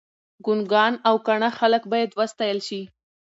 ګنګان او کاڼه خلګ باید وستایل شي.